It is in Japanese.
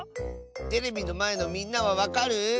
テレビのまえのみんなはわかる？